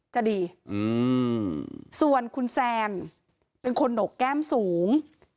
จะดีส่วนคุณแซนเป็นคนหนกแก้มสูง